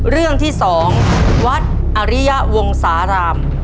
เรื่องที่๒วัดอริยะวงสาราม